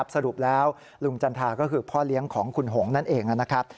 สรุปแล้วลุงจันทราก็คือพ่อเลี้ยงของคุณหงนั่นเองนะครับ